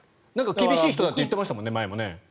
厳しい人だって前も言ってましたもんね。